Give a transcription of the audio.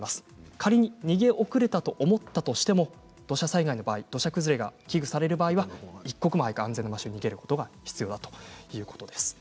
仮に逃げ遅れたと思ったとしても土砂災害の場合土砂崩れが危惧される場合は一刻も早く安全な場所に逃げる必要があるということです。